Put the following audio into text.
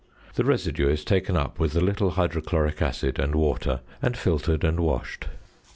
The residue is taken up with a little hydrochloric acid and water and filtered and washed.